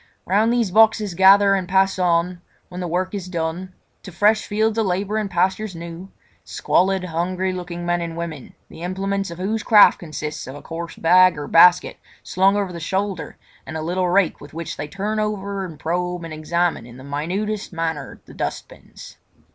Round these boxes gather and pass on, when the work is done, to fresh fields of labour and pastures new, squalid hungry looking men and women, the implements of whose craft consist of a coarse bag or basket slung over the shoulder and a little rake with which they turn over and probe and examine in the minutest manner the dustbins.